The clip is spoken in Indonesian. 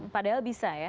padahal bisa ya